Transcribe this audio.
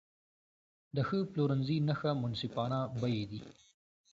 د ښه پلورنځي نښه منصفانه بیې دي.